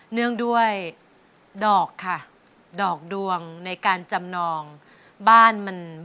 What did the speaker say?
เนื่องด้วยดอกค่ะดอกดวงในการจำนองบ้านมัน